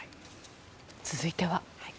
続いては。